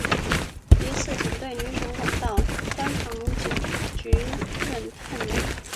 一次警队女主管到观塘警局任探员。